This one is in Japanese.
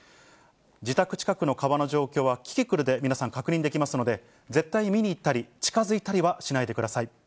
自宅近くの川の状況はキキクルで皆さん、確認できますので、絶対に見に行ったり、近づいたりはしないでください。